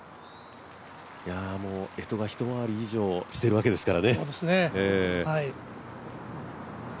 干支が一回り以上、しているわけですからね。